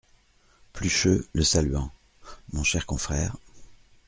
Plucheux , le saluant. — Mon cher confrère !